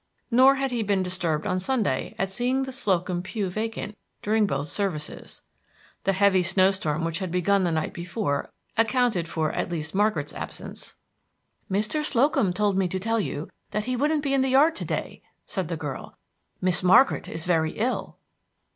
Nor had he been disturbed on Sunday at seeing the Slocum pew vacant during both services. The heavy snow storm which had begun the night before accounted for at least Margaret's absence. "Mr. Slocum told me to tell you that he shouldn't be in the yard to day," said the girl. "Miss Margaret is very ill."